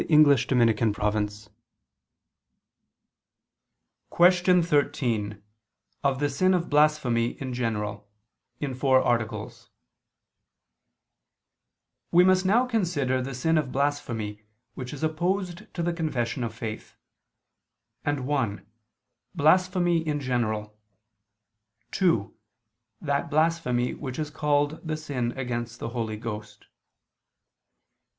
_______________________ QUESTION 13 OF THE SIN OF BLASPHEMY, IN GENERAL (In Four Articles) We must now consider the sin of blasphemy, which is opposed to the confession of faith; and (1) blasphemy in general, (2) that blasphemy which is called the sin against the Holy Ghost.